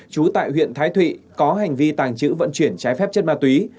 trú tại huyện thái thụy có hành vi tàng trữ vận chuyển trái phép chất ma túy